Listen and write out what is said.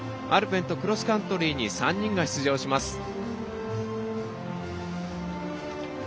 アルペンとクロスカントリーに３人が出場します。